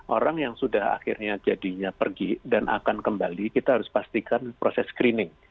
orang yang sudah akhirnya jadinya pergi dan akan kembali kita harus pastikan proses screening